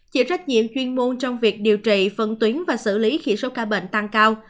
chịu trách nhiệm chuyên môn trong việc điều trị phân tuyến và xử lý khi số ca bệnh tăng cao